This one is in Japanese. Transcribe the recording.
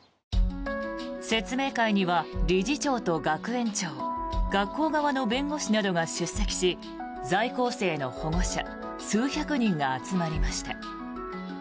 説明会には理事長と学園長学校側の弁護士などが出席し在校生の保護者数百人が集まりました。